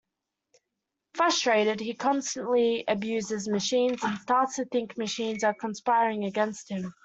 Frustrated, he constantly abuses machines and starts to think machines are conspiring against him.